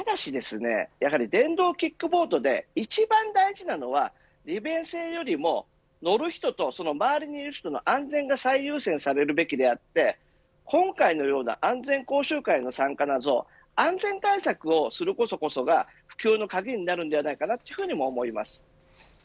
ただしですねやはり電動キックボードで一番大事なのは利便性よりも乗る人とその周りにいる人の安全が最優先されるべきであって今回のような安全講習会の参加など安全対策をすることこそが普及の鍵になるんではないかなというふうにも思います。